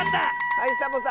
はいサボさん。